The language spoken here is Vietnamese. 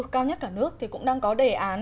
cao nhất cả nước thì cũng đang có đề án